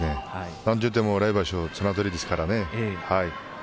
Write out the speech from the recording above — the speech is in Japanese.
何といっても来場所、綱取りですからね。